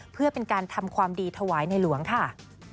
เพื่อเป็นการทำความดีถวายในหลวงค่ะ